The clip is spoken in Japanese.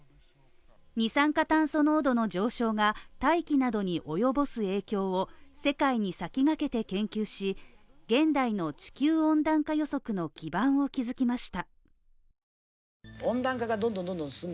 二酸化炭素濃度の上昇が大気などに及ぼす影響を世界に先駆けて研究し、現代の地球温暖化予測の基盤を築きました